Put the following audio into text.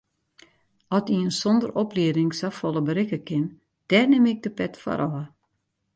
At ien sonder oplieding safolle berikke kin, dêr nim ik de pet foar ôf.